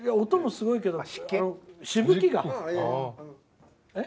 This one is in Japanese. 音もすごくてしぶきが。